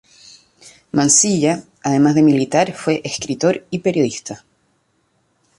Mansilla, además de militar fue escritor y periodista.